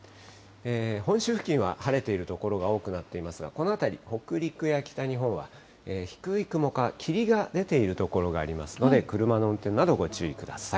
本州付近は晴れている所が多くなっていますが、この辺り、北陸や北日本は、低い雲か霧が出ている所がありますので、車の運転など、ご注意ください。